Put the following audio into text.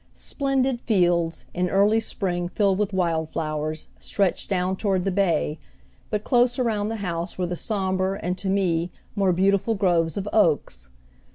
Splendid fields, in early spring filled with wild flowers, stretched down toward the bay, but close around the house were the somber and, to me, more beautiful groves of oaks.